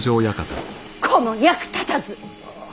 この役立たず！